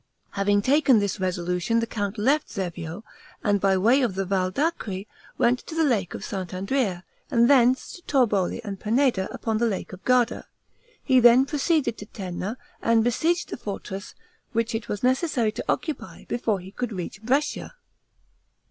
Having taken this resolution, the count left Zevio, and by way of the Val d'Acri went to the Lake of St. Andrea, and thence to Torboli and Peneda, upon the Lake of Garda. He then proceeded to Tenna, and besieged the fortress, which it was necessary to occupy before he could reach Brescia.